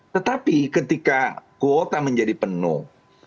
tetapi ketika kuota menjadi penuh